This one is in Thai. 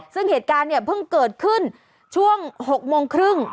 ซึ่งเหตุการณ์เนี่ยเพิ่งเกิดขึ้นช่วง๖โมงครึ่ง